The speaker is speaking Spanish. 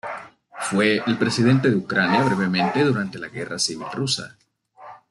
Fue el Presidente de Ucrania brevemente durante la Guerra Civil Rusa.